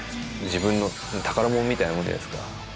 自分の宝ものみたいなもんじゃないですか。